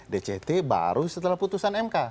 dct baru setelah putusan mk